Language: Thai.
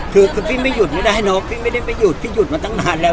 คือคือพี่ไม่หยุดไม่ได้เนอะพี่ไม่ได้ไม่หยุดพี่หยุดมาตั้งนานแล้ว